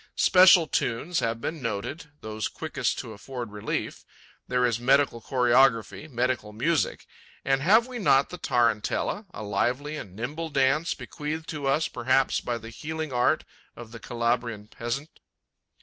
Special tunes have been noted, those quickest to afford relief. There is medical choreography, medical music. And have we not the tarantella, a lively and nimble dance, bequeathed to us perhaps by the healing art of the Calabrian peasant?